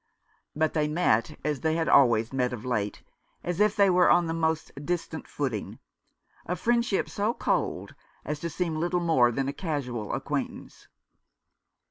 But they met as they had always met of late, as if they were on the most distant footing — a friend ship so cold as to seem little more than a casual acquaintance.